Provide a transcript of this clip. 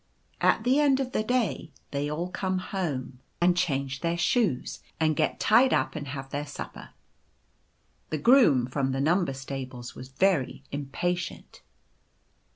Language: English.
At the end of the day they all come home and 108 The Number Stables. change their shoes, and get tied up and have their supper. "The Groom from the Number Stables was very impatient.